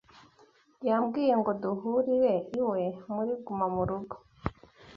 Yambwiye ngo duhurire iwe muri gumamurugo.